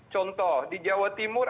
contoh di jawa timur